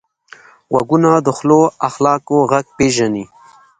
غوږونه د ښو اخلاقو غږ پېژني